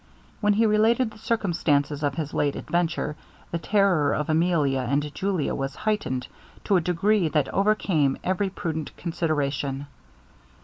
When he related the circumstances of his late adventure, the terror of Emilia and Julia was heightened to a degree that overcame every prudent consideration.